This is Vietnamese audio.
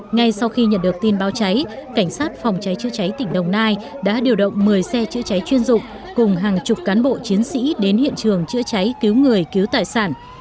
ngay sau khi nhận được tin báo cháy cảnh sát phòng cháy chữa cháy tỉnh đồng nai đã điều động một mươi xe chữa cháy chuyên dụng cùng hàng chục cán bộ chiến sĩ đến hiện trường chữa cháy cứu người cứu tài sản